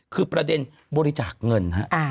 คือประเด็นบริจาคเงินฮะ